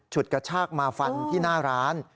กระชากมาฟันที่หน้าร้าน